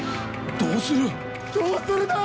どうするだぁ！？